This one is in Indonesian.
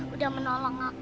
sudah menolong aku